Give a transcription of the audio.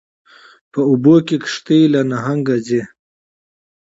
په اوبو کې یې کشتۍ لکه نهنګ ځي